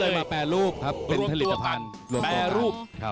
เราก็ได้มาแปรรูปครับเป็นผลิตภัณฑ์